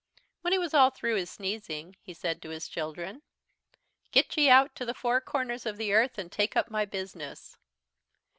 "When he was all through his sneezing he said to his children: "'Get ye out to the four corners of the earth and take up my business.'